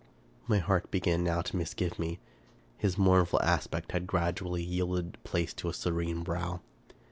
My heart began now to misgive me. His mournful aspect had gradually yielded place to a serene brow.